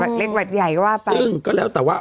หวัดเล็กหวัดใหญ่ก็ว่าไป